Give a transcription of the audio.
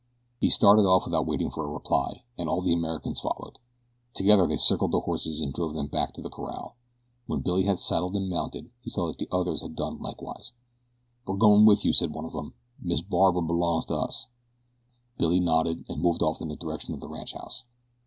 He started off without waiting for a reply, and all the Americans followed. Together they circled the horses and drove them back to the corral. When Billy had saddled and mounted he saw that the others had done likewise. "We're goin' with you," said one of the men. "Miss Barbara b'longs to us." Billy nodded and moved off in the direction of the ranchhouse.